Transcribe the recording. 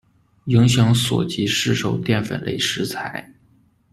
影响所及市售淀粉类食材。